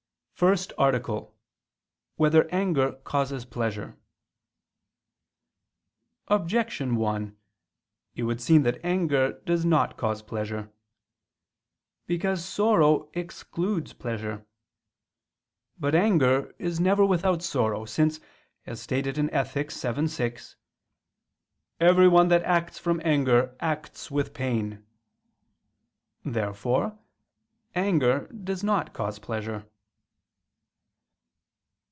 ________________________ FIRST ARTICLE [I II, Q. 48, Art. 1] Whether Anger Causes Pleasure? Objection 1: It would seem that anger does not cause pleasure. Because sorrow excludes pleasure. But anger is never without sorrow, since, as stated in Ethic. vii, 6, "everyone that acts from anger, acts with pain." Therefore anger does not cause pleasure.